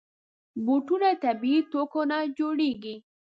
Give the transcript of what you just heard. بوټونه د طبعي توکو نه جوړېږي.